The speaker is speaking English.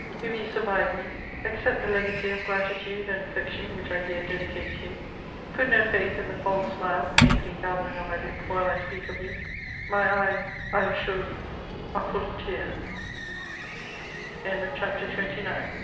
If you survive me, accept the legacy of gratitude and affection which I here dedicate to you. Put no faith in the false smile faintly gathering on my Up while I speak of you ; my eyes, I assure you, are full o